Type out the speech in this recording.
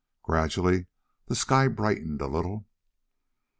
Gradually the sky brightened a little.